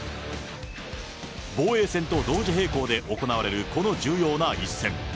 防衛戦と同時並行で行われるこの重要な一戦。